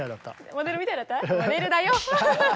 モデルだよッ！